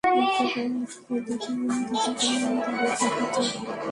একটা প্রাইমারি স্কুলের দুইটা রুম দখল করে নিয়ে তাদের থাকবার জায়গা।